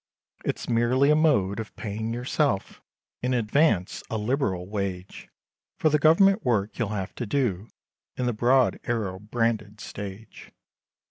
It's merely a mode, of paying yourself, In advance, a liberal wage, For the government work, you'll have to do, In the broad arrow branded stage.